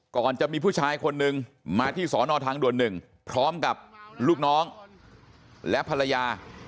ก่อนจะมีผู้ชายคนนึงมาที่สอนอทางด่วน๑พร้อมกับลูกน้องและภรรยา